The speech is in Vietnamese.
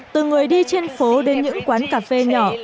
từ người đi trên phố đến những quán cà phê nhỏ